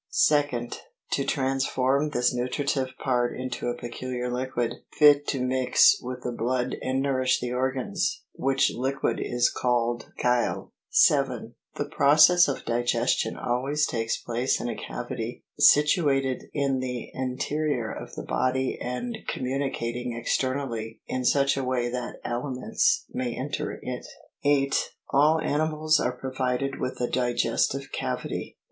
2nd. To transform this nutritive part into a peculiar liquid, fit to mix with the blood and nourish the organs, which liquid is called chyle. 7. The process of digestion always takes place in. a cavity situ ated in the interior of the body and communicating externally in such a way that aliments may enter it. 8. All animals are provided with a digestive cavity.